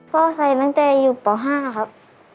พ่อใส่ตั้งแต่อยู่ป๕ครับ